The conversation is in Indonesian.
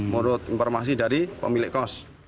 menurut informasi dari pemilik kos